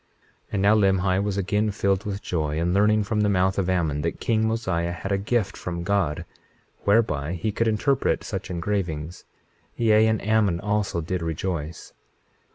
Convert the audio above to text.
21:28 And now Limhi was again filled with joy in learning from the mouth of Ammon that king Mosiah had a gift from God, whereby he could interpret such engravings; yea, and Ammon also did rejoice.